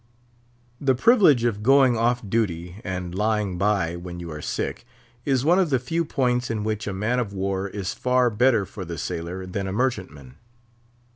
The privilege of going off duty and lying by when you are sick, is one of the few points in which a man of war is far better for the sailor than a merchantman.